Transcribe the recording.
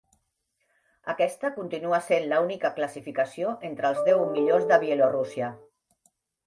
Aquesta continua sent l'única classificació entre els deu millors de Bielorússia.